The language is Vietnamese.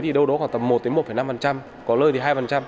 thì đâu đó khoảng tầm một một năm có lời thì hai